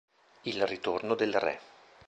Il ritorno del re